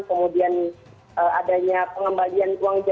kemudian adanya pengembalian uang